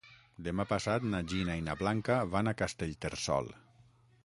Demà passat na Gina i na Blanca van a Castellterçol.